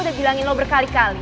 kan gue udah bilangin lo berkali dua